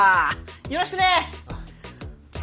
よろしくね！